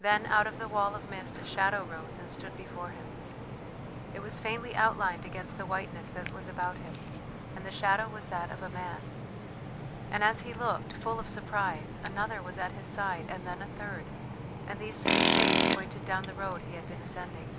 Then out of the wall of mist a shadow rose and stood before him. It was faintly outlined against the whiteness that was about him, and the shadow was that of a man. And as he looked, full of surprise, another was at his side, and then a third, and these three shades pointed down the road he had been ascending.